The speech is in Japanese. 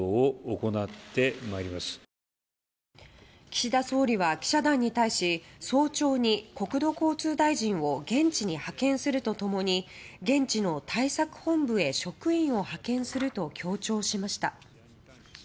岸田総理は記者団に対し早朝に国土交通大臣を現地に派遣すると共に現地の対策本部へ職員を派遣すると強調しました。